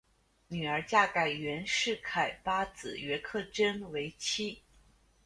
女儿嫁给袁世凯八子袁克轸为妻。